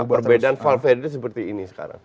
perbedaan valvery seperti ini sekarang